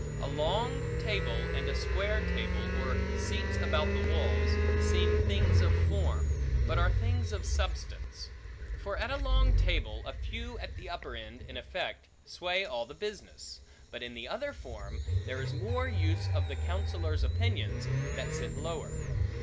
A long table and a square table, or seats about the walls, seem things of form, but are things of substance; for at a long table a few at the upper end, in effect, sway all the business; but in the other form, there is more use of the counsellors' opinions, that sit lower.